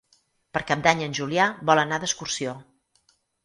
Per Cap d'Any en Julià vol anar d'excursió.